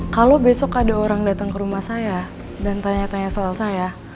kalau besok ada orang datang ke rumah saya dan tanya tanya soal saya